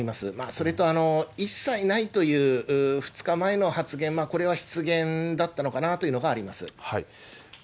それと一切ないという２日前の発言、これは失言だったのかなというのがあります。